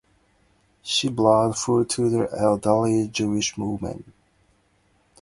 She brought food to the elderly Jewish woman.